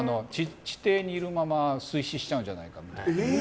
地底にいるまま水死しちゃうんじゃないかみたいな。